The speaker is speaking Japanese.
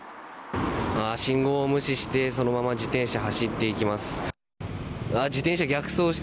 信号無視してそのまま自転車、走っていきます。